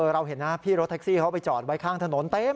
เราเห็นนะพี่รถแท็กซี่เขาไปจอดไว้ข้างถนนเต็ม